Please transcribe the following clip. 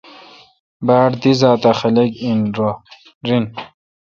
با ڑ دی زات اہ خلق این رن۔